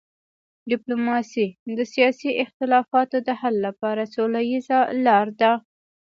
ډیپلوماسي د سیاسي اختلافاتو د حل لپاره سوله ییزه لار ده.